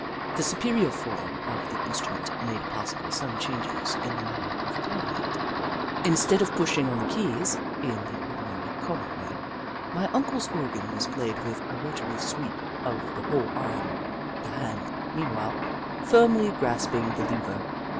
The superior form of the instrument made possible some changes in the manner of playing it. 13^^ The Book of Clever Beasts Instead of pushing on the keys, in the or dinary, common way, my Uncle's organ was played with a rotary sweep of the whole arm, the hand, meanwhile, firmly grasping the lever.